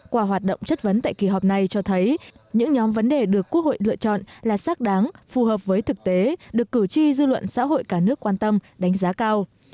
qua hoạt động chất vấn tại kỳ họp này cho thấy những nhóm vấn đề được quốc hội lựa chọn là xác đáng phù hợp với thực tế được cử tri dư luận xã hội cả nước quan tâm đánh giá cao